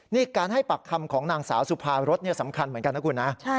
นี่การให้ปากคำของนางสาวสุภารสสำคัญเหมือนกันนะคุณนะ